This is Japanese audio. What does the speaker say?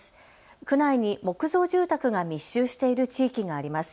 区内に木造住宅が密集している地域があります。